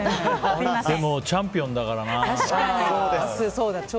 でもチャンピオンだからな。